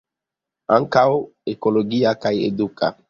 Ankaŭ ekologia kaj eduka.